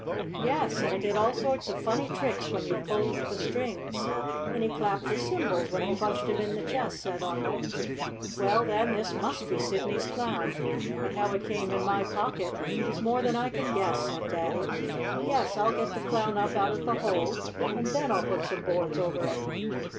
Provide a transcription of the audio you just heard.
"Yes, and it did all sorts of funny tricks when you pulled the strings; and he clapped his cymbals when you punched him in the chest," said Arnold. "Well, then this must be Sidney's Clown. But how it came in my pocket is more than I can guess," said Daddy. "Yes, I'll get the Clown up out of the hole, and then I'll put some boards over it."